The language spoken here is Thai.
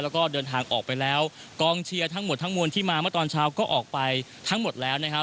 แล้วก็เดินทางออกไปแล้วกองเชียร์ทั้งหมดทั้งมวลที่มาเมื่อตอนเช้าก็ออกไปทั้งหมดแล้วนะครับ